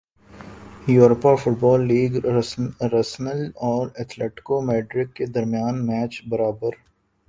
Europa football league Arsenal اور Atletico Madrid کے درمیان میچ برابر